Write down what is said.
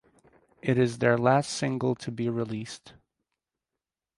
It is their last single to be released.